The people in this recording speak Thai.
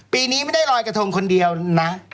ปีนี้ไม่ได้ลอยกระทงคนเดียวนะ